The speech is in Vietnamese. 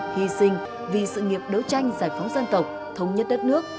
hy sinh vì sự nghiệp đấu tranh giải phóng dân tộc thống nhất đất nước